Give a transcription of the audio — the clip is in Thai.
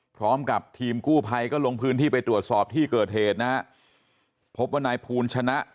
พร้อมกับทีมกู้ภัยก็ลงพื้นที่ไปตรวจสอบที่เกิดเหตุนะฮะพบว่านายภูลชนะ